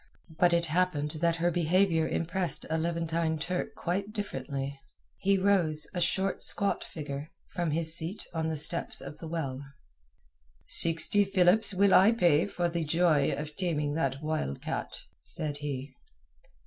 But it happened that her behaviour impressed a Levantine Turk quite differently. He rose, a short squat figure, from his seat on the steps of the well. "Sixty Philips will I pay for the joy of taming that wild cat," said he.